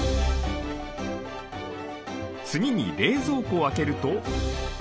次に冷蔵庫を開けると。